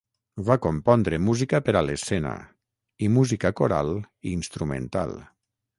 Va compondre música per a l'escena, i música coral i instrumental.